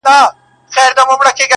وطن تر مرګه پورې له بدنه نه بېلېږي